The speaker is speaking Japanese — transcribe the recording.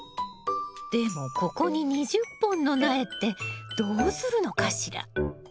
でもここに２０本の苗ってどうするのかしら？